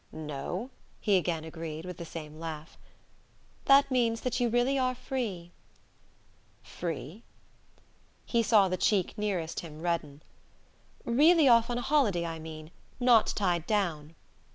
"No," he again agreed, with the same laugh. "That means that you really are free " "Free?" He saw the cheek nearest him redden. "Really off on a holiday, I mean; not tied down."